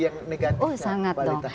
yang negatif oh sangat dong